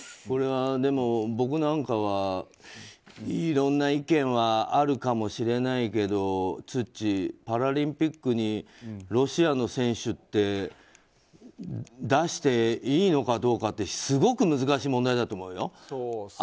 これはでも、僕なんかはいろんな意見はあるかもしれないけどツッチー、パラリンピックにロシアの選手って出していいのかどうかってすごく難しい問題だと思うよ。